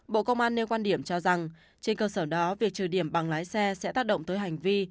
bộ công an nêu quan điểm cho rằng trên cơ sở đó việc trừ điểm bằng lái xe sẽ tác động tới hành vi